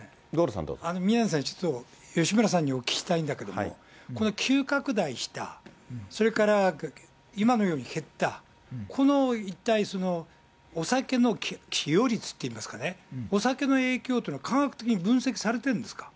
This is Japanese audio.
宮根さん、ちょっと吉村さんにお聞きしたいんだけども、この急拡大した、それから今のように減った、この、一体、お酒の寄与率といいますかね、お酒の影響というのは科学的に分析されてるんですか？